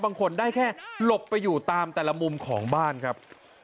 บางคนได้แค่หลบไปอยู่ตามแต่ละมุมของบ้านครับ